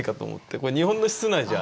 これ日本の室内じゃ。